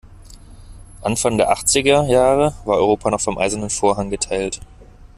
Anfang der achtziger Jahre war Europa noch vom eisernen Vorhang geteilt.